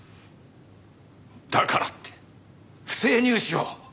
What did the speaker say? だからって不正入試を？